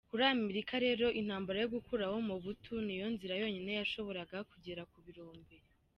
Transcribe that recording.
Kuri Amerika, rero intambara yo gukuraho Mobutu, niyo nzira yonyine yashoboraga kugera ku birombe.